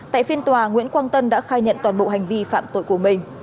tại phiên tòa nguyễn quang tân đã khai nhận toàn bộ hành vi phạm tội của mình